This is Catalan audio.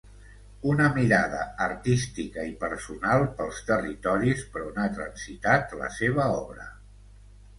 Una mirada artística i personal pels territoris per on ha transitat la seva obra.